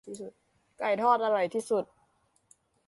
ไก่ทอดอร่อยที่สุด